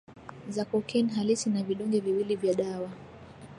za cocaine halisi na vidonge viwili vya dawa